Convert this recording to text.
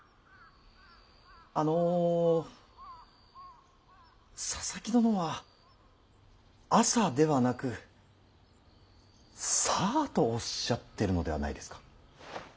あの佐々木殿は「朝」ではなく「さあ」とおっしゃってるのではないですか。